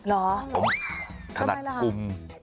หรอทำไมล่ะผมถนัดกุม